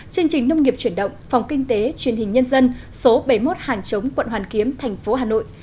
chương trình nông nghiệp chuyển động phòng kinh tế truyền hình nhân dân số bảy mươi một hàng chống quận hoàn kiếm thành phố hà nội